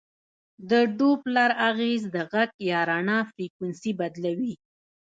د ډوپلر اغېز د غږ یا رڼا فریکونسي بدلوي.